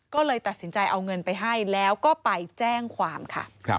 ก็เลยตัดสินใจเอาเงินไปให้แล้วก็ไปแจ้งความค่ะ